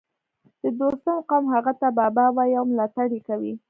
د دوستم قوم هغه ته بابا وايي او ملاتړ یې کوي